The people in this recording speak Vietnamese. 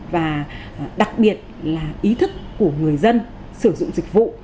và đặc biệt là ý thức của người dân sử dụng dịch vụ